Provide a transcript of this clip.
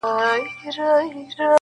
ما دي ولیدل په کور کي د اغیارو سترګکونه!